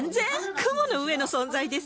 雲の上の存在です。